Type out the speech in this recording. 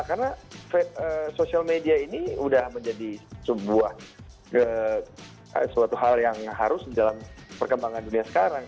karena social media ini sudah menjadi sebuah hal yang harus dalam perkembangan dunia sekarang